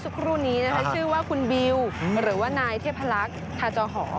ครูนี้ชื่อว่าคุณบิวหรือว่านายเทพลักษณ์ทาเจ้าหอ